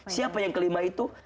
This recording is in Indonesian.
siapa yang kelima itu